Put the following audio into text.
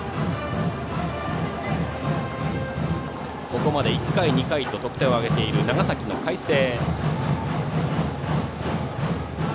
ここまで１回、２回と得点を挙げている長崎の海星。